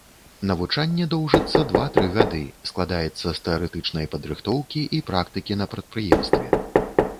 Навучанне доўжыцца два-тры гады, складаецца з тэарэтычнай падрыхтоўкі і практыкі на прадпрыемстве.